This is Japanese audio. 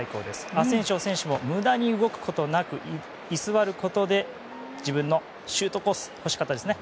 アセンシオ選手も無駄に動くことなく居座ることで自分のシュートコース惜しかったですね。